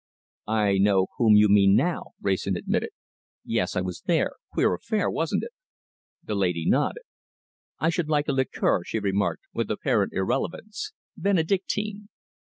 "I know whom you mean now," Wrayson admitted. "Yes! I was there. Queer affair, wasn't it?" The lady nodded. "I should like a liqueur," she remarked, with apparent irrelevance. "Benedictine!"